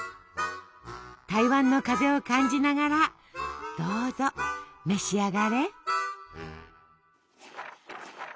台湾の風を感じながらどうぞ召し上がれ。